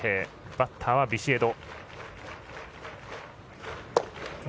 バッターはビシエド。